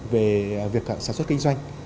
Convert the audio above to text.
về việc sản xuất kinh doanh